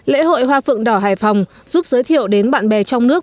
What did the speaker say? lễ hội hoa phượng đỏ hải phòng giúp giới thiệu đến bạn bè trong nước